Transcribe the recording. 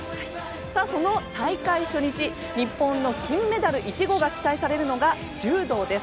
その大会初日日本の金メダル１号が期待されるのが柔道です。